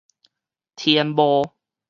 天幕